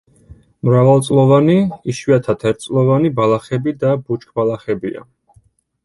მრავალწლოვანი, იშვიათად ერთწლოვანი ბალახები და ბუჩქბალახებია.